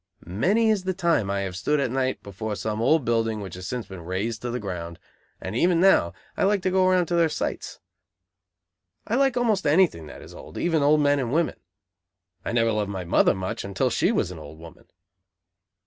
Many is the time I have stood at night before some old building which has since been razed to the ground, and even now I like to go round to their sites. I like almost anything that is old, even old men and women. I never loved my mother much until she was an old woman.